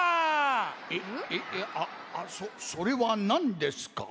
えっあっそれはなんですか？